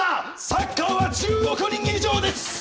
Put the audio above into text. サッカーは１０億人以上です！